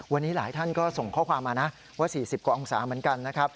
วันนี้หลายท่านก็ส่งข้อความมานะว่า๔๐กว่าองศาเหมือนกันนะครับ